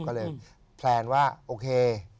ก็เลยแพลนว่าโอเค